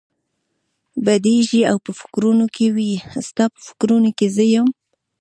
بېدېږي او په فکرونو کې وي، ستا په فکرونو کې زه یم؟